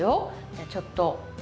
じゃあちょっと。